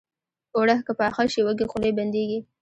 اوړه که پاخه شي، وږې خولې بندېږي